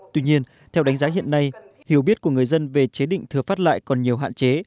tuy nhiên theo đánh giá hiện nay hiểu biết của người dân về chế định thừa phát lại còn nhiều hạn chế